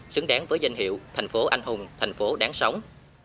xứng đáng với danh hiệu thành phố anh hùng thành phố đáng sống